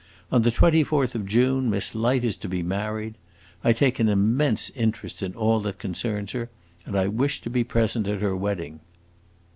On the twenty fourth of June Miss Light is to be married. I take an immense interest in all that concerns her, and I wish to be present at her wedding."